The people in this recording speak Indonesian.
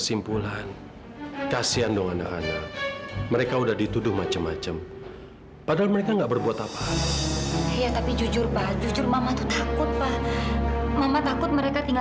sampai jumpa di video selanjutnya